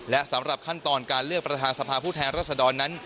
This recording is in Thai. และสำหรับขั้นตอนการเลือกประธานสภาผู้แทนรัศดรนั้น